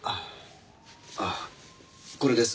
あっこれです。